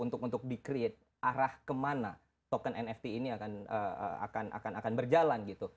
untuk di create arah kemana token nft ini akan berjalan gitu